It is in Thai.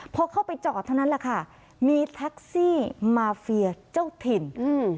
พอเข้าไปจอดเท่านั้นแหละค่ะมีแท็กซี่มาเฟียเจ้าถิ่นอืม